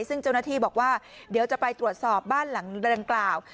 ซึ่งเจ้าหน้าที่บอกว่าเดี๋ยวจะไปตรวจสอบบ้านหลังดังกล่าว